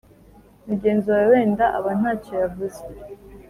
Mugenzi wawe wenda aba nta cyo yavuze,